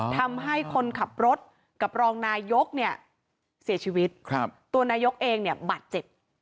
ทำให้คนขับรถกับรองนายกเนี่ยเสียชีวิตครับตัวนายกเองเนี่ยบาดเจ็บ